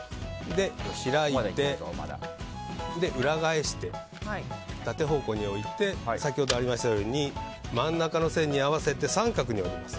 開いて裏返して、縦方向に置いて先ほどありましたように真ん中の線に合わせて三角に折ります。